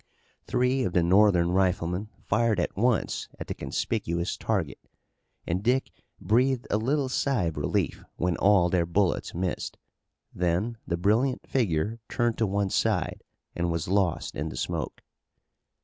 Three of the Northern riflemen fired at once at the conspicuous target, and Dick breathed a little sigh of relief when all their bullets missed. Then the brilliant figure turned to one side and was lost in the smoke.